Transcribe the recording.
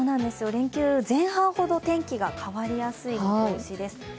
連休前半ほど天気が変わりやすい見通しです。